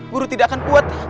guru tidak akan kuat